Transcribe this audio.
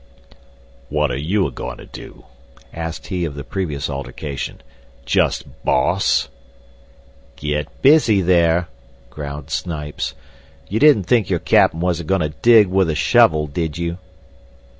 "Wot are you a goin' to do?" asked he of the previous altercation. "Just boss?" "Git busy there," growled Snipes. "You didn't think your Cap'n was a goin' to dig with a shovel, did you?"